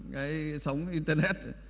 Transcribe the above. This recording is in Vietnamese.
cái sóng internet